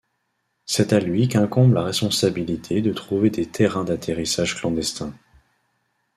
C’est à lui qu’incombe la responsabilité de trouver des terrains d’atterrissage clandestins.